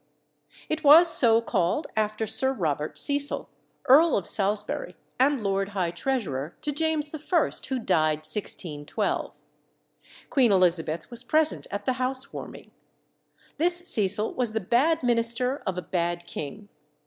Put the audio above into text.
It was so called after Sir Robert Cecil, Earl of Salisbury, and Lord High Treasurer to James I., who died 1612. Queen Elizabeth was present at the house warming. This Cecil was the bad minister of a bad king.